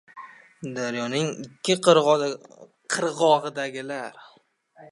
Daryoning ikki qirg‘og‘idagilar